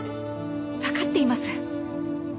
わかっています。